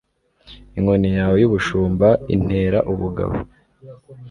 inkoni yawe y'ubushumba intera ubugabo